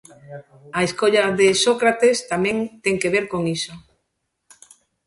A escolla de Sócrates tamén ten que ver con iso.